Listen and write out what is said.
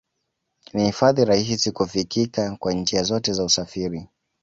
Ni hifadhi rahisi kufikika kwa njia zote za usafiri